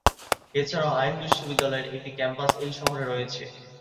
এছাড়াও আইন বিশ্ববিদ্যালয়ের একটি ক্যাম্পাস এই শহরে রয়েছে।